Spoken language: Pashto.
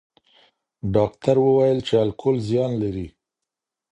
ډاکټر وویل چې الکول زیان لري.